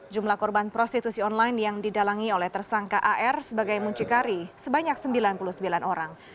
jumlah korban prostitusi online yang didalangi oleh tersangka ar sebagai muncikari sebanyak sembilan puluh sembilan orang